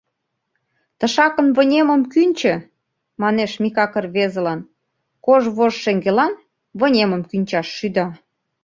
— Тышакын вынемым кӱнчӧ! — манеш Микак рвезылан, кож вож шеҥгелан вынемым кӱнчаш шӱда.